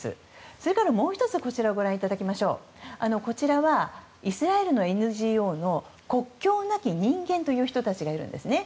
それから、もう１つイスラエルのＮＧＯの国境なき人間という人たちがいるんですね。